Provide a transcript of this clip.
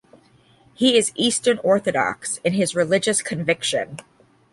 He is Eastern Orthodox in his religious conviction.